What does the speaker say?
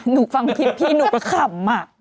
หนูฟังคลิปพี่หนูก็ขำ